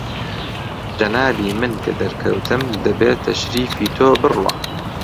جەنابی من کە دەرکەوتم، دەبێ تەشریفی تۆ بڕوا